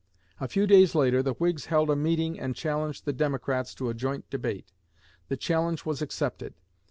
'" A few days later the Whigs held a meeting and challenged the Democrats to a joint debate. The challenge was accepted.